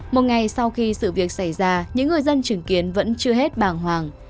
một ngày sau khi sự việc xảy ra những người dân chứng kiến vẫn chưa hết bàng hoàng